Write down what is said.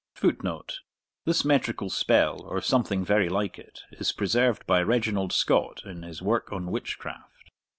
[Footnote: This metrical spell, or something very like it, is preserved by Reginald Scott in his work on Witchcraft.